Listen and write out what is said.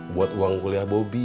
buat uang kuliah bobi